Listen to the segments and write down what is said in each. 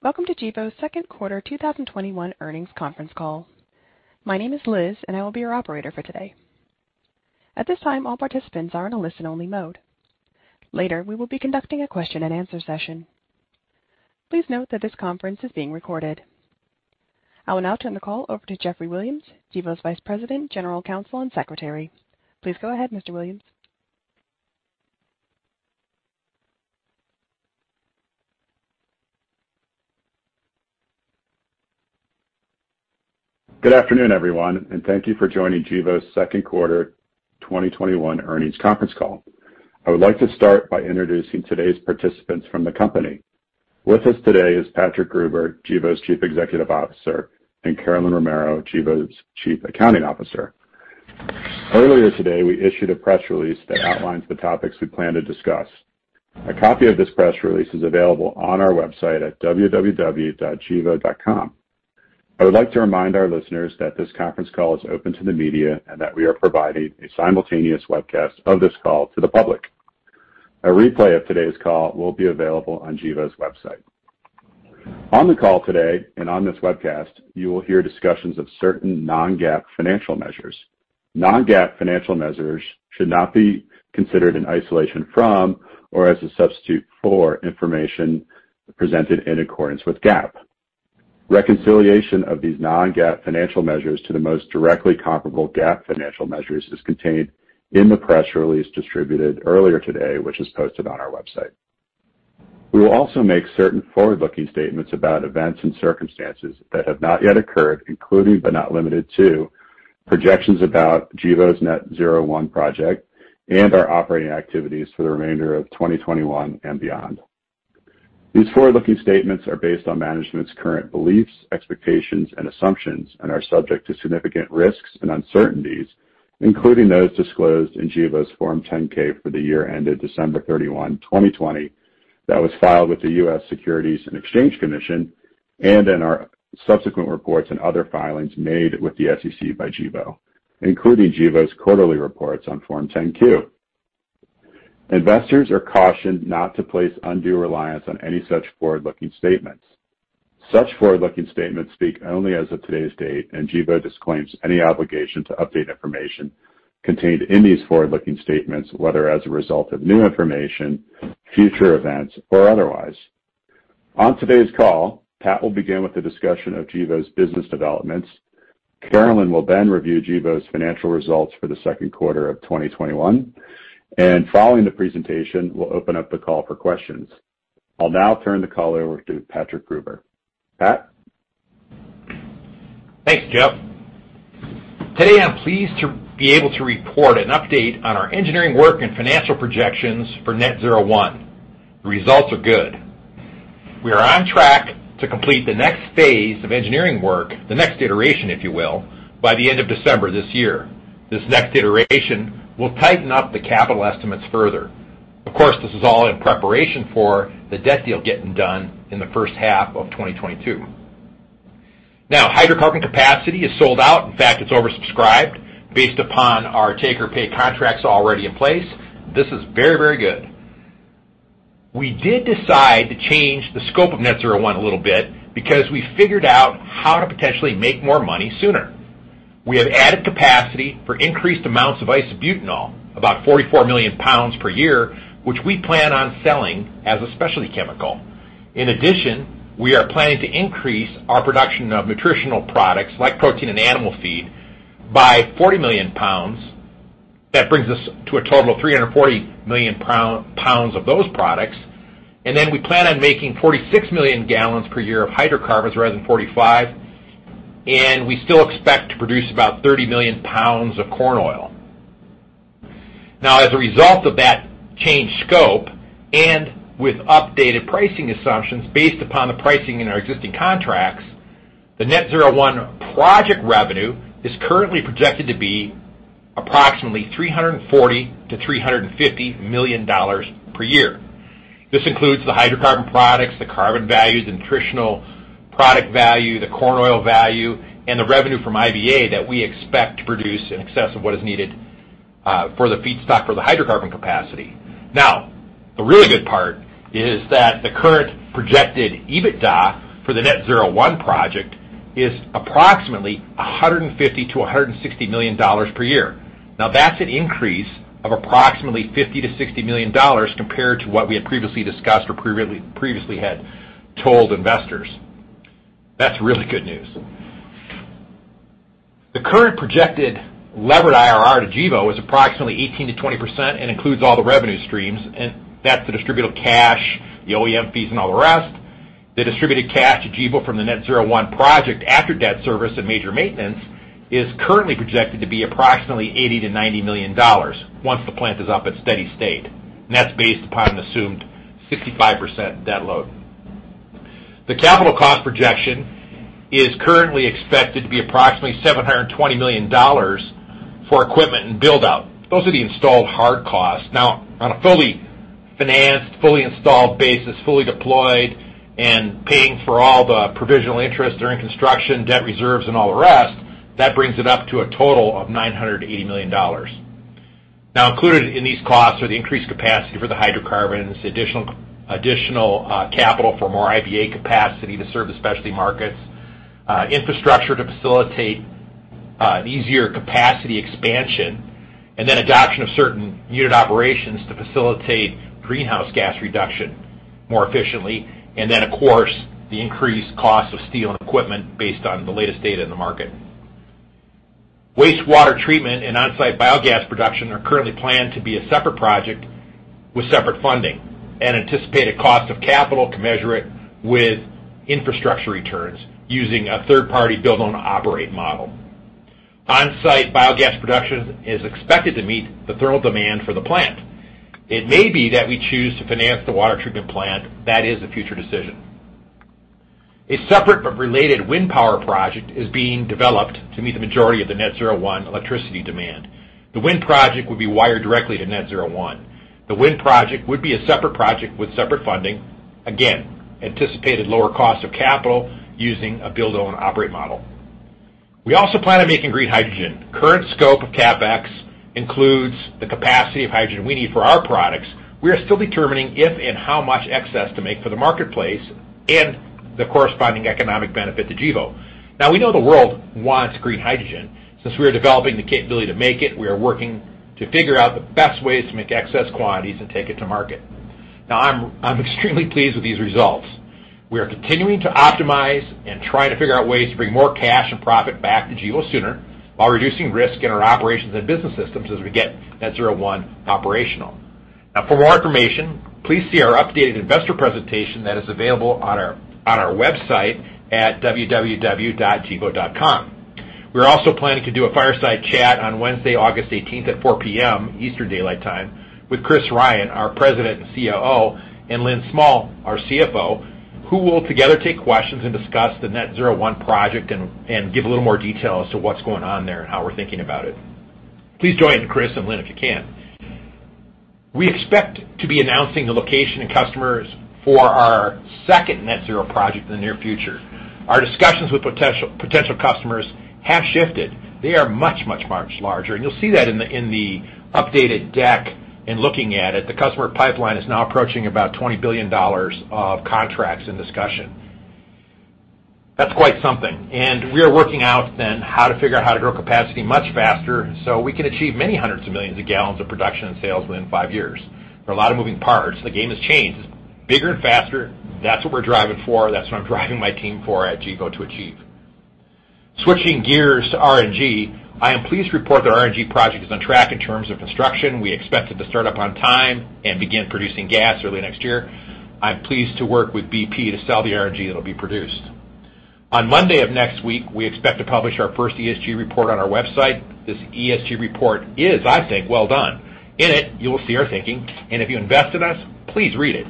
Welcome to Gevo's second quarter 2021 earnings conference call. My name is Liz, and I will be your operator for today. At this time, all participants are in a listen-only mode. Later, we will be conducting a question-and-answer session. Please note that this conference is being recorded. I will now turn the call over to Geoffrey Williams, Gevo's Vice President, General Counsel, and Secretary. Please go ahead, Mr. Williams. Good afternoon, everyone, and thank you for joining Gevo's second quarter 2021 earnings conference call. I would like to start by introducing today's participants from the company. With us today is Patrick Gruber, Gevo's Chief Executive Officer, and Carolyn Romero, Gevo's Chief Accounting Officer. Earlier today, we issued a press release that outlines the topics we plan to discuss. A copy of this press release is available on our website at gevo.com. I would like to remind our listeners that this conference call is open to the media and that we are providing a simultaneous webcast of this call to the public. A replay of today's call will be available on Gevo's website. On the call today, and on this webcast, you will hear discussions of certain non-GAAP financial measures. Non-GAAP financial measures should not be considered in isolation from or as a substitute for information presented in accordance with GAAP. Reconciliation of these non-GAAP financial measures to the most directly comparable GAAP financial measures is contained in the press release distributed earlier today, which is posted on our website. We will also make certain forward-looking statements about events and circumstances that have not yet occurred, including, but not limited to, projections about Gevo's Net-Zero 1 project and our operating activities for the remainder of 2021 and beyond. These forward-looking statements are based on management's current beliefs, expectations, and assumptions and are subject to significant risks and uncertainties, including those disclosed in Gevo's Form 10-K for the year ended December 31, 2020, that was filed with the U.S. Securities and Exchange Commission, and in our subsequent reports and other filings made with the SEC by Gevo, including Gevo's quarterly reports on Form 10-Q. Investors are cautioned not to place undue reliance on any such forward-looking statements. Such forward-looking statements speak only as of today's date, and Gevo disclaims any obligation to update information contained in these forward-looking statements, whether as a result of new information, future events, or otherwise. On today's call, Patrick will begin with the discussion of Gevo's business developments. Carolyn will then review Gevo's financial results for the second quarter of 2021. Following the presentation, we'll open up the call for questions. I'll now turn the call over to Patrick Gruber. Patrick? Thanks, Geoffrey. Today, I'm pleased to be able to report an update on our engineering work and financial projections for Net-Zero 1. The results are good. We are on track to complete the next phase of engineering work, the next iteration, if you will, by the end of December this year. This next iteration will tighten up the capital estimates further. This is all in preparation for the debt deal getting done in the first half of 2022. Hydrocarbon capacity is sold out. It's oversubscribed based upon our take-or-pay contracts already in place. This is very good. We did decide to change the scope of Net-Zero 1 a little bit because we figured out how to potentially make more money sooner. We have added capacity for increased amounts of isobutanol, about 44 million pounds per year, which we plan on selling as a specialty chemical. In addition, we are planning to increase our production of nutritional products like protein and animal feed by 40 million pounds. That brings us to a total of 340 million pounds of those products. We plan on making 46 million gallons per year of hydrocarbons rather than 45, and we still expect to produce about 30 million pounds of corn oil. Now, as a result of that changed scope, and with updated pricing assumptions based upon the pricing in our existing contracts, the Net-Zero 1 project revenue is currently projected to be approximately $340 million-$350 million per year. This includes the hydrocarbon products, the carbon values, the nutritional product value, the corn oil value, and the revenue from IBA that we expect to produce in excess of what is needed for the feedstock for the hydrocarbon capacity. The really good part is that the current projected EBITDA for the Net-Zero 1 project is approximately $150 million-$160 million per year. That's an increase of approximately $50 million-$60 million compared to what we had previously discussed or previously had told investors. That's really good news. The current projected levered IRR to Gevo is approximately 18%-20% and includes all the revenue streams, and that's the distributive cash, the O&M fees, and all the rest. The distributed cash to Gevo from the Net-Zero 1 project after debt service and major maintenance is currently projected to be approximately $80 million-$90 million once the plant is up at steady state, and that's based upon an assumed 65% debt load. The capital cost projection is currently expected to be approximately $720 million for equipment and build-out. Those are the installed hard costs. On a fully financed, fully installed basis, fully deployed, and paying for all the provisional interest during construction, debt reserves, and all the rest, that brings it up to a total of $980 million. Included in these costs are the increased capacity for the hydrocarbon and this additional capital for more IBA capacity to serve the specialty markets, infrastructure to facilitate an easier capacity expansion, and then adoption of certain unit operations to facilitate greenhouse gas reduction more efficiently, and then of course, the increased cost of steel and equipment based on the latest data in the market. Wastewater treatment and onsite biogas production are currently planned to be a separate project with separate funding, and anticipated cost of capital commensurate with infrastructure returns using a third-party build-own-operate model. Onsite biogas production is expected to meet the thermal demand for the plant. It may be that we choose to finance the water treatment plant. That is a future decision. A separate but related wind power project is being developed to meet the majority of the Net-Zero 1 electricity demand. The wind project would be wired directly to Net-Zero 1. The wind project would be a separate project with separate funding. Again, anticipated lower cost of capital using a build-own-operate model. We also plan on making green hydrogen. Current scope of CapEx includes the capacity of hydrogen we need for our products. We are still determining if and how much excess to make for the marketplace and the corresponding economic benefit to Gevo. Now, we know the world wants green hydrogen. Since we are developing the capability to make it, we are working to figure out the best ways to make excess quantities and take it to market. I'm extremely pleased with these results. We are continuing to optimize and try to figure out ways to bring more cash and profit back to Gevo sooner while reducing risk in our operations and business systems as we get Net-Zero 1 operational. For more information, please see our updated investor presentation that is available on our website at www.gevo.com. We are also planning to do a fireside chat on Wednesday, August 18 at 4:00 P.M. Eastern Daylight Time with Chris Ryan, our President and COO, and Lynn Smull, our CFO, who will together take questions and discuss the Net-Zero 1 project and give a little more detail as to what's going on there and how we're thinking about it. Please join Chris and Lynn if you can. We expect to be announcing the location and customers for our second Net-Zero project in the near future. Our discussions with potential customers have shifted. They are much larger. You'll see that in the updated deck in looking at it. The customer pipeline is now approaching about $20 billion of contracts in discussion. That's quite something. We are working out then how to figure out how to grow capacity much faster so we can achieve many hundreds of millions of gallons of production and sales within five years. There are a lot of moving parts. The game has changed. It's bigger and faster. That's what we're driving for. That's what I'm driving my team for at Gevo to achieve. Switching gears to RNG, I am pleased to report that our RNG project is on track in terms of construction. We expect it to start up on time and begin producing gas early next year. I'm pleased to work with BP to sell the RNG that'll be produced. On Monday of next week, we expect to publish our first ESG report on our website. This ESG report is, I think, well done. In it, you will see our thinking, and if you invest in us, please read it.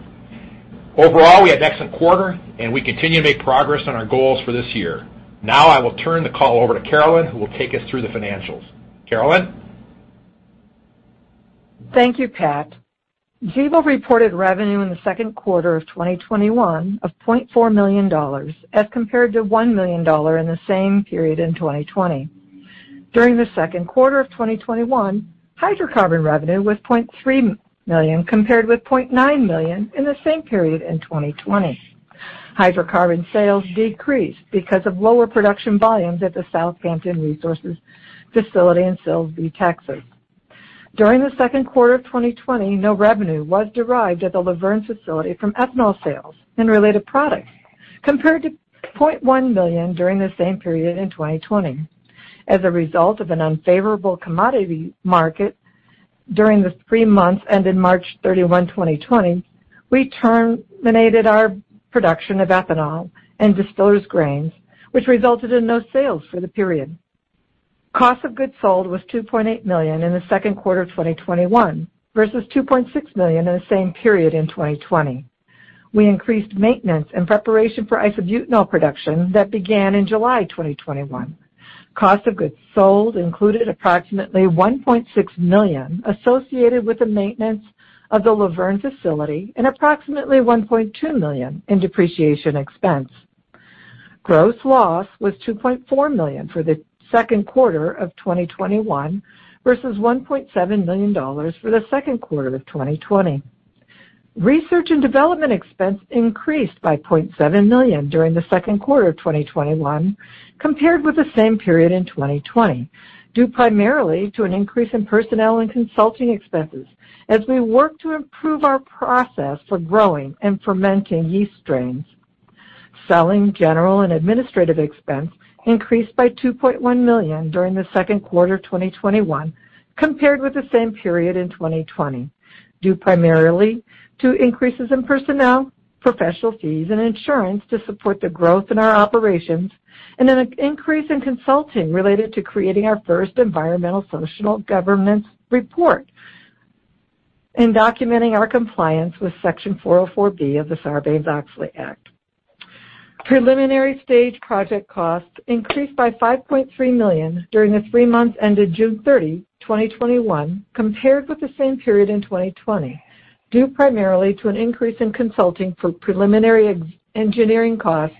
Overall, we had excellent quarter, and we continue to make progress on our goals for this year. Now I will turn the call over to Carolyn, who will take us through the financials. Carolyn? Thank you, Patrick. Gevo reported revenue in the second quarter of 2021 of $0.4 million as compared to $1 million in the same period in 2020. During the second quarter of 2021, hydrocarbon revenue was $0.3 million compared with $0.9 million in the same period in 2020. Hydrocarbon sales decreased because of lower production volumes at the South Hampton Resources facility in Silsbee, Texas. During the second quarter of 2020, no revenue was derived at the Luverne facility from ethanol sales and related products, compared to $0.1 million during the same period in 2020. As a result of an unfavorable commodity market during the three months ended March 31, 2020, we terminated our production of ethanol and disposed grains, which resulted in no sales for the period. Cost of goods sold was $2.8 million in the second quarter of 2021 versus $2.6 million in the same period in 2020. We increased maintenance in preparation for isobutanol production that began in July 2021. Cost of goods sold included approximately $1.6 million associated with the maintenance of the Luverne facility and approximately $1.2 million in depreciation expense. Gross loss was $2.4 million for the second quarter of 2021 versus $1.7 million for the second quarter of 2020. Research and development expense increased by $0.7 million during the second quarter of 2021 compared with the same period in 2020, due primarily to an increase in personnel and consulting expenses as we work to improve our process for growing and fermenting yeast strains. Selling, general, and administrative expense increased by $2.1 million during the second quarter of 2021 compared with the same period in 2020, due primarily to increases in personnel, professional fees, and insurance to support the growth in our operations, and an increase in consulting related to creating our first environmental social governance report in documenting our compliance with Section 404 of the Sarbanes-Oxley Act. Preliminary stage project costs increased by $5.3 million during the three months ended June 30, 2021, compared with the same period in 2020 due primarily to an increase in consulting for preliminary engineering costs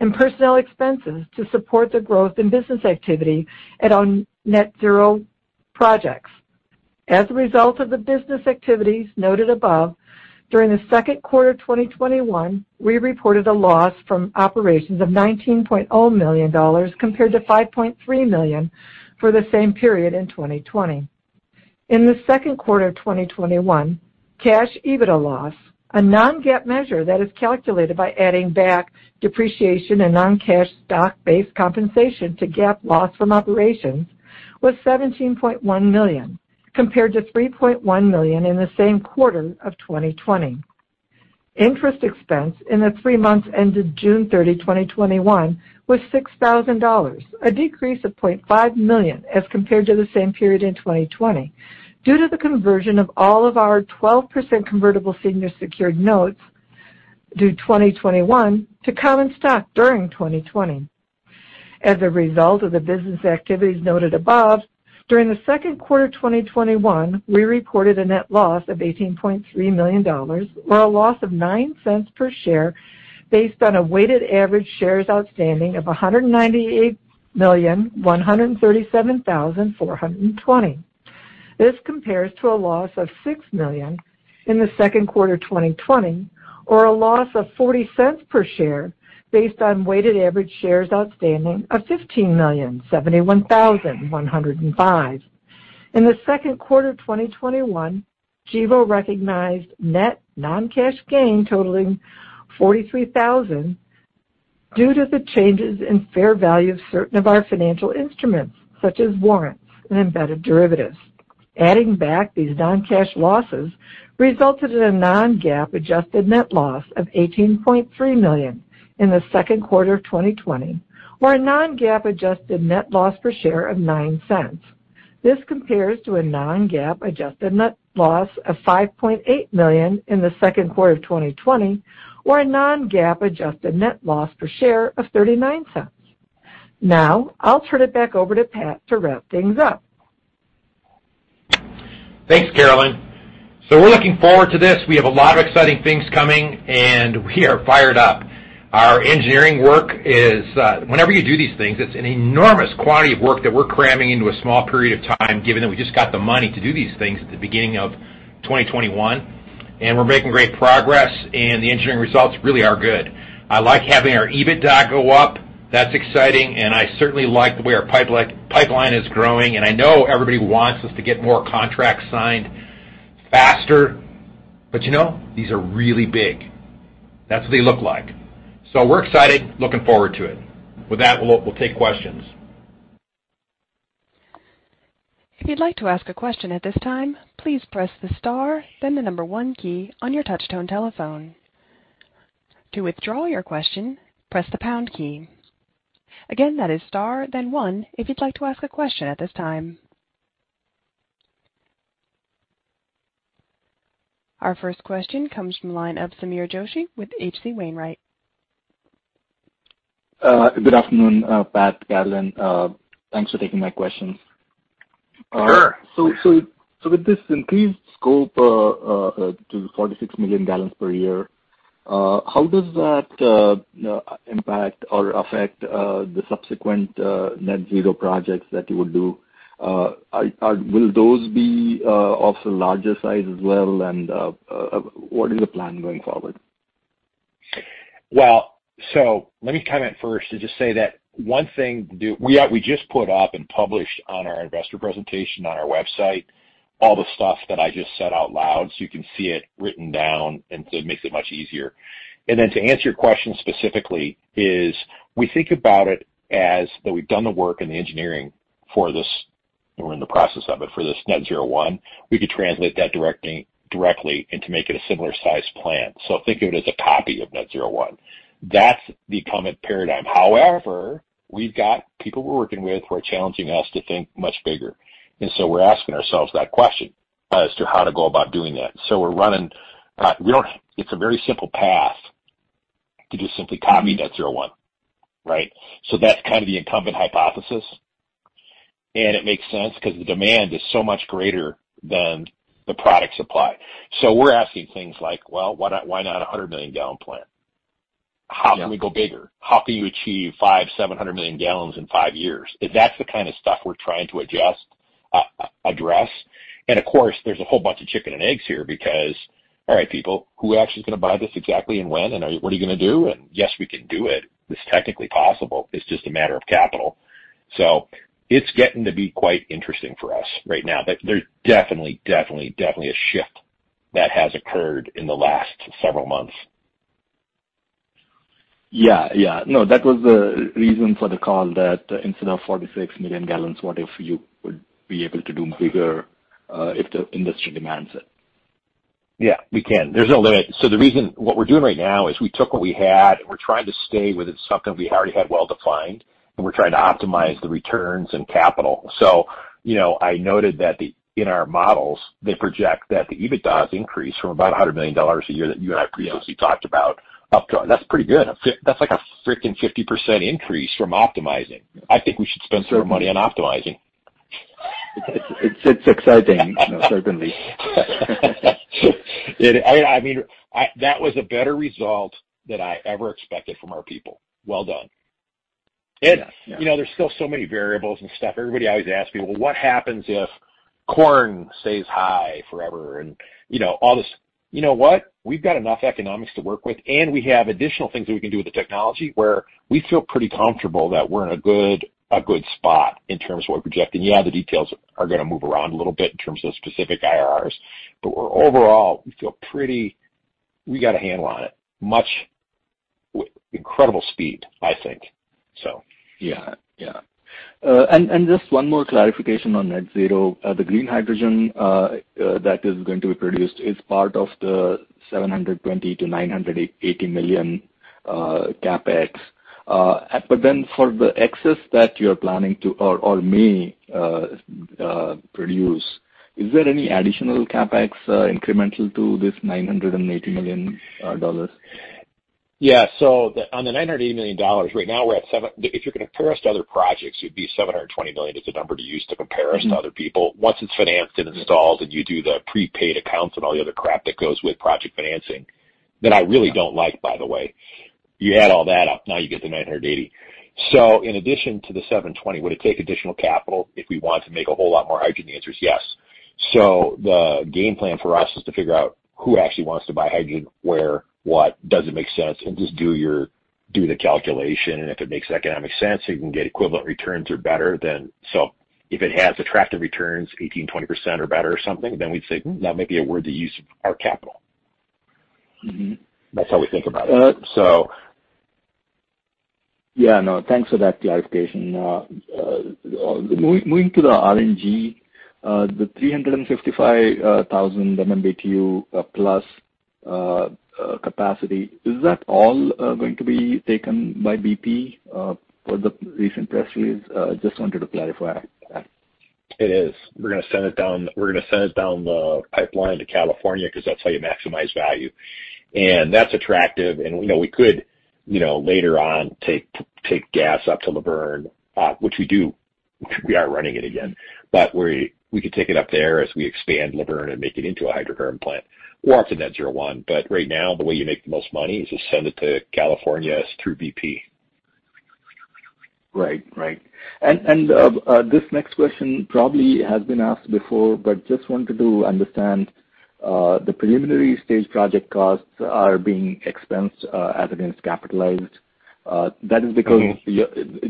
and personnel expenses to support the growth in business activity at our Net-Zero projects. As a result of the business activities noted above, during the second quarter 2021, we reported a loss from operations of $19.0 million compared to $5.3 million for the same period in 2020. In the second quarter of 2021, cash EBITDA loss, a non-GAAP measure that is calculated by adding back depreciation and non-cash stock-based compensation to GAAP loss from operations, was $17.1 million, compared to $3.1 million in the same quarter of 2020. Interest expense in the three months ended June 30, 2021 was $6,000, a decrease of $0.5 million as compared to the same period in 2020 due to the conversion of all of our 12% convertible senior secured notes due 2021 to common stock during 2020. As a result of the business activities noted above, during the second quarter 2021, we reported a net loss of $18.3 million, or a loss of $0.09 per share, based on a weighted average shares outstanding of 198,137,420. This compares to a loss of $6 million in the second quarter 2020, or a loss of $0.40 per share, based on weighted average shares outstanding of 15,071,105. In the second quarter of 2021, Gevo recognized net non-cash gain totaling $43,000 due to the changes in fair value of certain of our financial instruments, such as warrants and embedded derivatives. Adding back these non-cash losses resulted in a non-GAAP adjusted net loss of $18.3 million in the second quarter of 2020, or a non-GAAP adjusted net loss per share of $0.09. This compares to a non-GAAP adjusted net loss of $5.8 million in the second quarter of 2020, or a non-GAAP adjusted net loss per share of $0.39. I'll turn it back over to Patrick to wrap things up. Thanks, Carolyn. We're looking forward to this. We have a lot of exciting things coming, and we are fired up. Our engineering work whenever you do these things, it's an enormous quantity of work that we're cramming into a small period of time, given that we just got the money to do these things at the beginning of 2021. We're making great progress, and the engineering results really are good. I like having our EBITDA go up. That's exciting, and I certainly like the way our pipeline is growing, and I know everybody wants us to get more contracts signed faster. You know, these are really big. That's what they look like. We're excited, looking forward to it. With that, we'll take questions. If you would like to asked a question at this time, please press star and then number one of your touchtone telephone keypad. To withdraw your question press the pound key. Again that is star one if you would like to asked a question at this time. Our first question comes from the line of Sameer Joshi with H.C. Wainwright. Good afternoon, Patrick, Carolyn. Thanks for taking my questions. Sure. With this increased scope to 46 million gallons per year, how does that impact or affect the subsequent Net-Zero projects that you will do? Will those be of the larger size as well, and what is the plan going forward? Let me comment first to just say that one thing We just put up and published on our investor presentation on our website all the stuff that I just said out loud, so you can see it written down, and so it makes it much easier. To answer your question specifically is, we think about it as that we've done the work and the engineering for this, or in the process of it, for this Net-Zero 1. We could translate that directly into making a similar-sized plant. Think of it as a copy of Net-Zero 1. That's the incumbent paradigm. However, we've got people we're working with who are challenging us to think much bigger. We're asking ourselves that question as to how to go about doing that. It's a very simple path to just simply copy Net-Zero 1, right? That's the incumbent hypothesis, and it makes sense because the demand is so much greater than the product supply. We're asking things like, well, why not a 100 million gallon plant? How can we go bigger? How can you achieve 500 million, 700 million gallons in five years? That's the kind of stuff we're trying to address. Of course, there's a whole bunch of chicken and eggs here because, all right, people, who actually is going to buy this exactly and when? What are you going to do? Yes, we can do it. It's technically possible. It's just a matter of capital. It's getting to be quite interesting for us right now. There's definitely a shift that has occurred in the last several months. Yeah. No, that was the reason for the call that instead of 46 million gallons, what if you would be able to do bigger, if the industry demands it? Yeah, we can. There's no limit. What we're doing right now is we took what we had, and we're trying to stay with something we already had well-defined, and we're trying to optimize the returns and capital. I noted that in our models, they project that the EBITDA has increased from about $100 million a year that you and I previously talked about. That's pretty good. That's like a freaking 50% increase from optimizing. I think we should spend some money on optimizing. It's exciting, certainly. That was a better result than I ever expected from our people. Well done. Yes. There's still so many variables and stuff. Everybody always asks me, "Well, what happens if corn stays high forever?" You know what? We've got enough economics to work with, and we have additional things that we can do with the technology, where we feel pretty comfortable that we're in a good spot in terms of what we're projecting. Yeah, the details are going to move around a little bit in terms of specific IRRs, but overall, we feel we got a handle on it with incredible speed, I think. Yeah. Just one more clarification on Net Zero. The green hydrogen that is going to be produced is part of the $720 million-$980 million CapEx. For the excess that you're planning to or may produce, is there any additional CapEx incremental to this $980 million? Yeah. On the $980 million, right now, if you're going to compare us to other projects, it'd be $720 million is the number to use to compare us to other people. Once it's financed and installed and you do the prepaid accounts and all the other crap that goes with project financing, that I really don't like, by the way. You add all that up, now you get to $980 million. In addition to the $720 million, would it take additional capital if we want to make a whole lot more hydrogen? The answer is yes. The game plan for us is to figure out who actually wants to buy hydrogen, where, what, does it make sense, and just do the calculation. If it makes economic sense, it can get equivalent returns or better. If it has attractive returns, 18%-20% or better or something, then we'd say, "Hmm, that might be a worthy use of our capital. That's how we think about it. Yeah. No, thanks for that clarification. Moving to the RNG, the 355,000 MMBtu plus capacity, is that all going to be taken by BP for the recent press release? Just wanted to clarify that. It is. We're going to send it down the pipeline to California because that's how you maximize value. That's attractive, and we could later on take gas up to Luverne, which we do. We are running it again. We could take it up there as we expand Luverne and make it into a hydrocarbon plant or up to Net-Zero 1. Right now, the way you make the most money is just send it to California through BP. Right. This next question probably has been asked before, but just wanted to understand. The preliminary stage project costs are being expensed as against capitalized. That is because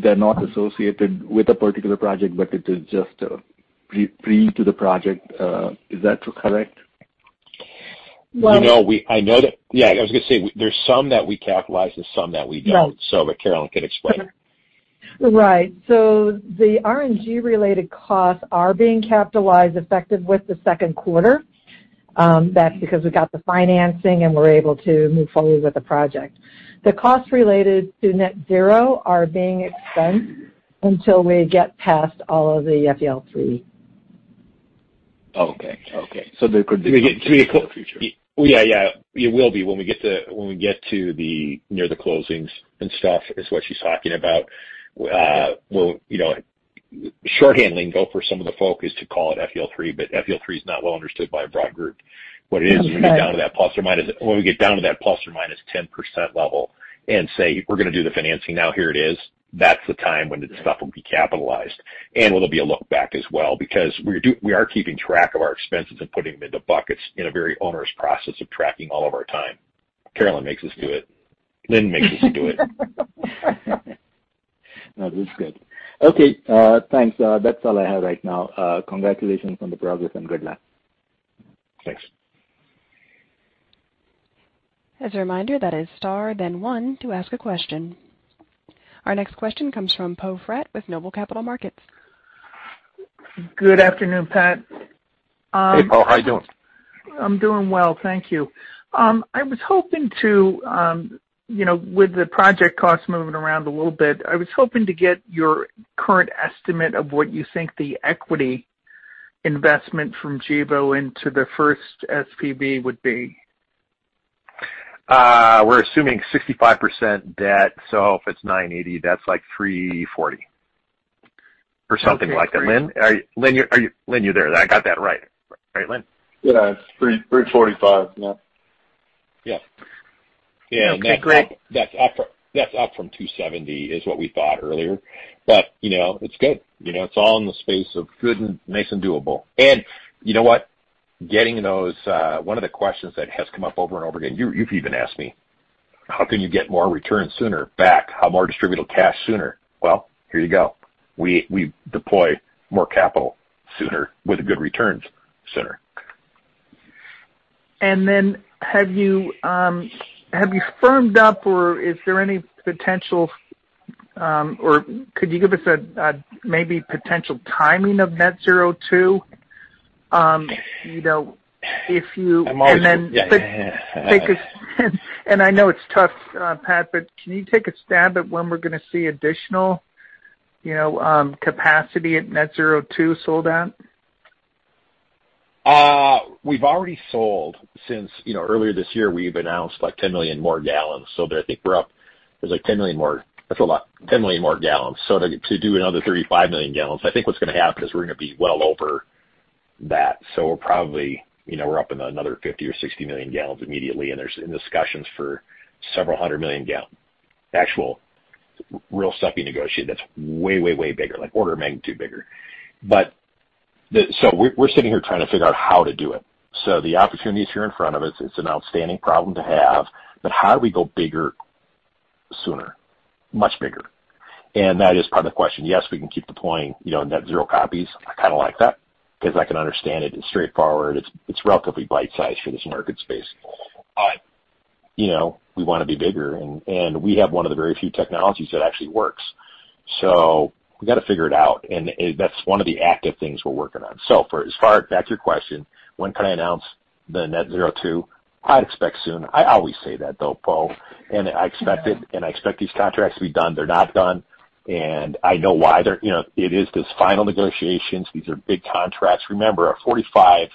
they're not associated with a particular project, but it is just pre to the project. Is that correct? I was going to say, there's some that we capitalize and some that we don't. Right. Carolyn can explain. Right. The RNG related costs are being capitalized effective with the second quarter. That's because we got the financing and we're able to move forward with the project. The costs related to Net Zero are being expensed until we get past all of the FEL3. Okay. There could be some in the future. Yeah. It will be when we get to near the closings and stuff is what she's talking about. Shorthanding, though, for some of the folk is to call it FEL3, but FEL3 is not well understood by a broad group. No. When we get down to that plus or minus 10% level and say, "We're going to do the financing now, here it is," that's the time when the stuff will be capitalized. There will be a look back as well, because we are keeping track of our expenses and putting them into buckets in a very onerous process of tracking all of our time. Carolyn makes us do it. Lynn makes us do it. No, this is good. Okay. Thanks. That's all I have right now. Congratulations on the progress and good luck. Thanks. As a reminder, that is star, then one to ask a question. Our next question comes from Poe Fratt with Noble Capital Markets. Good afternoon, Patrick. Hey, Poe. How you doing? I'm doing well, thank you. With the project costs moving around a little bit, I was hoping to get your current estimate of what you think the equity investment from Gevo into the first SPV would be. We're assuming 65% debt, so if it's $980, that's like $340 or something like that. Lynn, are you there? I got that right. Right, Lynn? Yeah. $345. Yeah. Yeah. Okay, great. That's up from $270, is what we thought earlier. It's good. It's all in the space of good and nice and doable. You know what? One of the questions that has come up over and over again, you've even asked me, how can you get more returns sooner back? How more distributable cash sooner? Well, here you go. We deploy more capital sooner with good returns sooner. Have you firmed up or could you give us a maybe potential timing of Net-Zero 2? Yeah. I know it's tough, Patrick, but can you take a stab at when we're going to see additional capacity at Net-Zero 2 sold out? We've already sold since earlier this year, we've announced 10 million more gallons, that I think we're up. There's 10 million more. That's a lot. 10 million more gallons. To do another 35 million gallons, I think what's going to happen is we're going to be well over that. We're probably up in another 50 or 60 million gallons immediately, and there's discussions for several hundred million gallon, actual, real stuff being negotiated that's way bigger, like order of magnitude bigger. We're sitting here trying to figure out how to do it. The opportunity is here in front of us. It's an outstanding problem to have. How do we go bigger sooner? Much bigger. That is part of the question. Yes, we can keep deploying net zero copies. I kind of like that because I can understand it. It's straightforward. It's relatively bite-sized for this market space. We want to be bigger, and we have one of the very few technologies that actually works. We've got to figure it out, and that's one of the active things we're working on. For as far back to your question, when can I announce the Net-Zero 2? I'd expect soon. I always say that though, Poe. Yeah. I expect these contracts to be done. They're not done, and I know why. It is this final negotiations. These are big contracts. Remember, a 45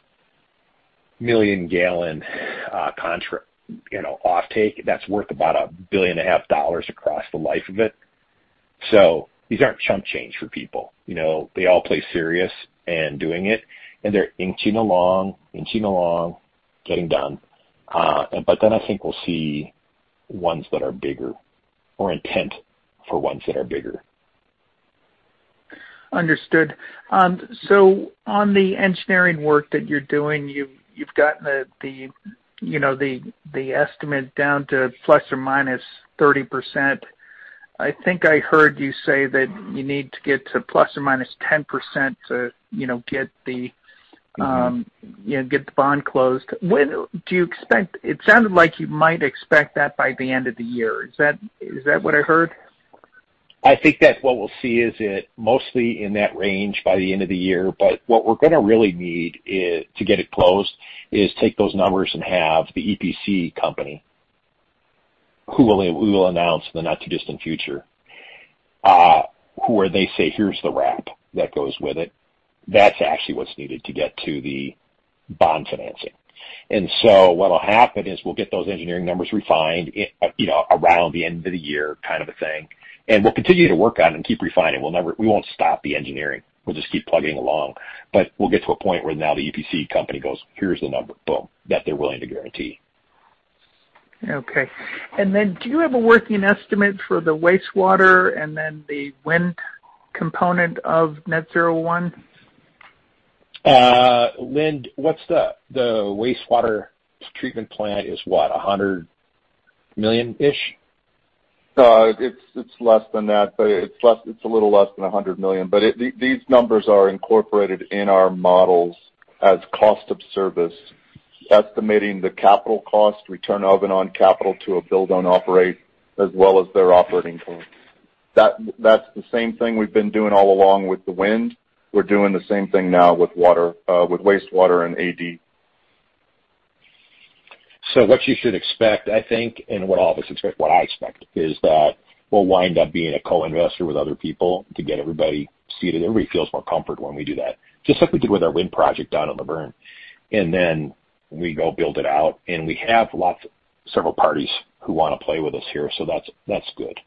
million gallon contract off take, that's worth about $1.5 billion across the life of it. These aren't chump change for people. They all play serious in doing it, and they're inching along, getting done. I think we'll see ones that are bigger or intent for ones that are bigger. Understood. On the engineering work that you're doing, you've gotten the estimate down to ±30%. I think I heard you say that you need to get to ±10%. Get the bond closed. It sounded like you might expect that by the end of the year. Is that what I heard? I think that what we'll see is it mostly in that range by the end of the year. What we're going to really need to get it closed is take those numbers and have the EPC company, who we will announce in the not-too-distant future, where they say, "Here's the wrap that goes with it." That's actually what's needed to get to the bond financing. What'll happen is we'll get those engineering numbers refined around the end of the year kind of a thing, and we'll continue to work on it and keep refining. We won't stop the engineering. We'll just keep plugging along. We'll get to a point where now the EPC company goes, "Here's the number," boom, that they're willing to guarantee. Okay. Then do you have a working estimate for the wastewater and then the wind component of Net-Zero 1? Lynn, what's the wastewater treatment plant is what? $100 million-ish? No, it's less than that, it's a little less than $100 million. These numbers are incorporated in our models as cost of service, estimating the capital cost, return of and on capital to a build-own-operate as well as their operating costs. That's the same thing we've been doing all along with the wind. We're doing the same thing now with wastewater and AD. What you should expect, I think, and what all of us expect, what I expect is that we'll wind up being a co-investor with other people to get everybody seated. Everybody feels more comfort when we do that. Just like we did with our wind project out in Luverne. Then we go build it out, and we have lots of several parties who want to play with us here. That's good.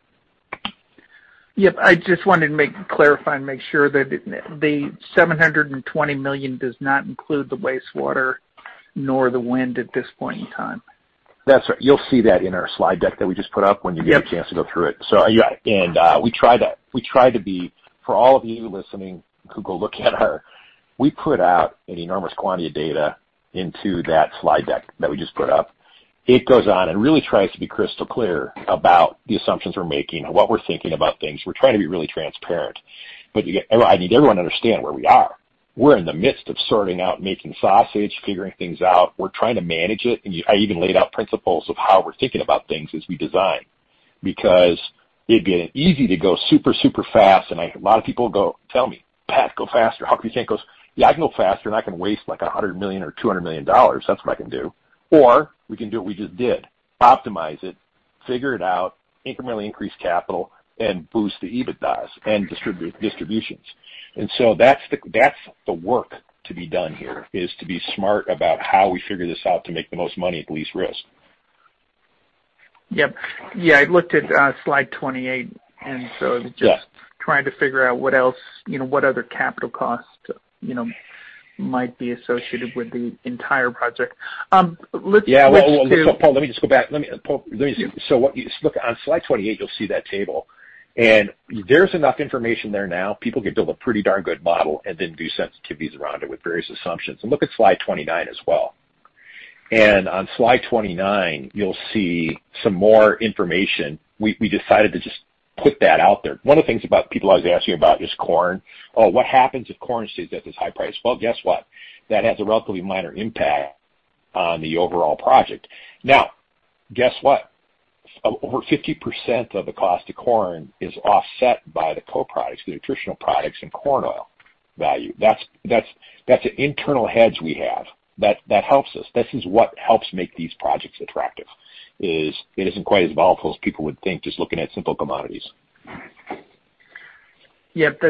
Yep. I just wanted to clarify and make sure that the $720 million does not include the wastewater nor the wind at this point in time. That's right. You'll see that in our slide deck that we just put up when you get. Yep A chance to go through it. Yeah. We try to be, for all of you listening who go look at our. We put out an enormous quantity of data into that slide deck that we just put up. It goes on and really tries to be crystal clear about the assumptions we're making and what we're thinking about things. We're trying to be really transparent. I need everyone to understand where we are. We're in the midst of sorting out making sausage, figuring things out. We're trying to manage it. I even laid out principles of how we're thinking about things as we design. It'd be easy to go super fast, and a lot of people go tell me, "Patrick, go faster." I tell 'em goes, "Yeah, I can go faster, and I can waste, like, $100 million or $200 million. That's what I can do." We can do what we just did, optimize it, figure it out, incrementally increase capital, and boost the EBITDAs and distribute distributions. That's the work to be done here, is to be smart about how we figure this out to make the most money at the least risk. Yep. Yeah, I looked at slide 28. Yeah Just trying to figure out what else, what other capital costs might be associated with the entire project. Yeah. Well, Poe, let me just go back. Poe, look on slide 28, you'll see that table. There's enough information there now. People could build a pretty darn good model and then do sensitivities around it with various assumptions. Look at slide 29 as well. On slide 29, you'll see some more information. We decided to just put that out there. One of the things about people always asking about is corn. Oh, what happens if corn stays at this high price? Well, guess what? That has a relatively minor impact on the overall project. Now, guess what? Over 50% of the cost of corn is offset by the co-products, the nutritional products, and corn oil value. That's an internal hedge we have. That helps us. This is what helps make these projects attractive is it isn't quite as volatile as people would think, just looking at simple commodities. Yep.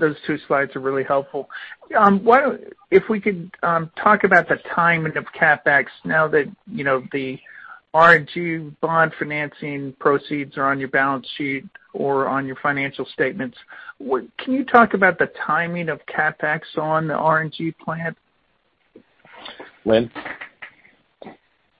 Those two slides are really helpful. If we could talk about the timing of CapEx now that the RNG bond financing proceeds are on your balance sheet or on your financial statements. Can you talk about the timing of CapEx on the RNG plant? Lynn?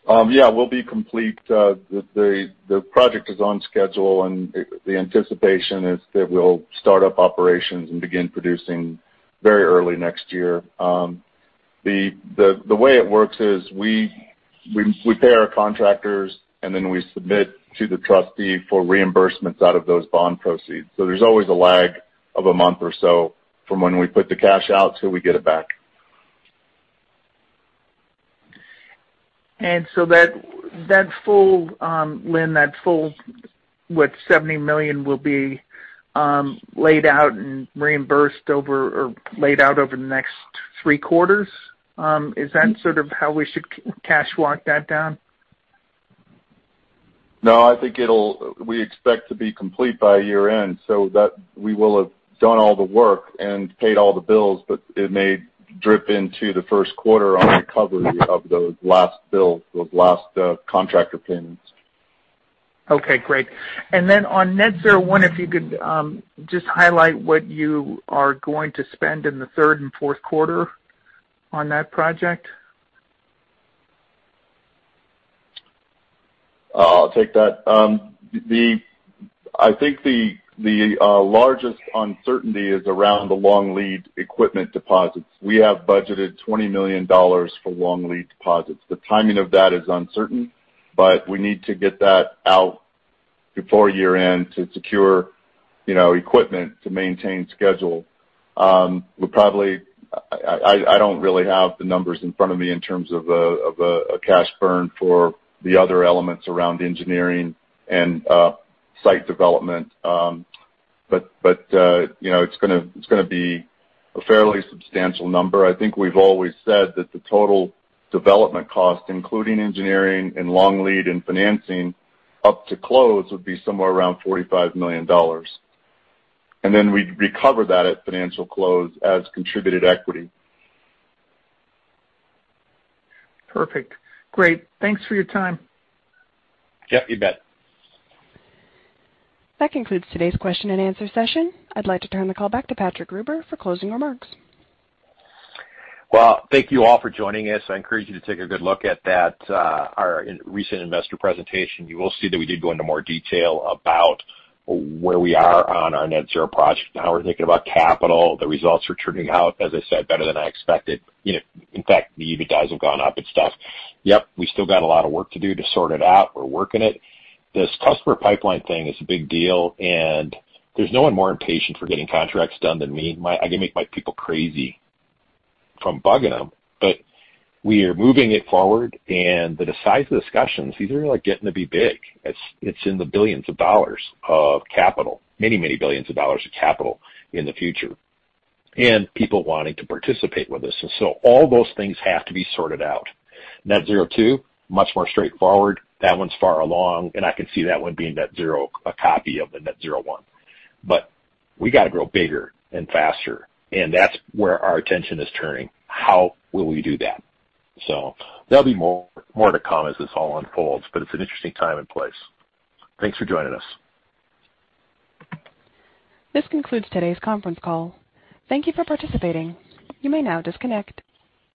We'll be complete. The project is on schedule, and the anticipation is that we'll start up operations and begin producing very early next year. The way it works is we pay our contractors, and then we submit to the trustee for reimbursements out of those bond proceeds. There's always a lag of a month or so from when we put the cash out till we get it back. Lynn, that full $70 million will be laid out over the next three quarters? Is that sort of how we should cash walk that down? No, we expect to be complete by year-end, so we will have done all the work and paid all the bills, but it may drip into the first quarter on recovery of those last bills, those last contractor payments. Okay, great. On Net-Zero 1, if you could just highlight what you are going to spend in the third and fourth quarter on that project. I'll take that. I think the largest uncertainty is around the long-lead equipment deposits. We have budgeted $20 million for long-lead deposits. The timing of that is uncertain, but we need to get that out before year-end to secure equipment to maintain schedule. I don't really have the numbers in front of me in terms of a cash burn for the other elements around engineering and site development. It's going to be a fairly substantial number. I think we've always said that the total development cost, including engineering and long lead and financing up to close, would be somewhere around $45 million. We'd recover that at financial close as contributed equity. Perfect. Great. Thanks for your time. Yep, you bet. That concludes today's question and answer session. I'd like to turn the call back to Patrick Gruber for closing remarks. Thank you all for joining us. I encourage you to take a good look at our recent investor presentation. You will see that we did go into more detail about where we are on our Net-Zero project and how we're thinking about capital. The results are turning out, as I said, better than I expected. The EBITDA have gone up and stuff. We still got a lot of work to do to sort it out. We're working it. This customer pipeline thing is a big deal, and there's no one more impatient for getting contracts done than me. I can make my people crazy from bugging them, but we are moving it forward, and the size of the discussions, these are getting to be big. It's in the billions of dollars of capital. Many billions of dollars of capital in the future, and people wanting to participate with us. All those things have to be sorted out. Net-Zero 2, much more straightforward. That one's far along, and I can see that one being a copy of the Net-Zero 1. We got to grow bigger and faster, and that's where our attention is turning. How will we do that? There'll be more to come as this all unfolds, but it's an interesting time and place. Thanks for joining us. This concludes today's conference call. Thank you for participating. You may now disconnect.